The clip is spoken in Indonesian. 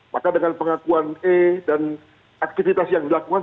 maka dengan pengakuan e dan aktivitas yang dilakukan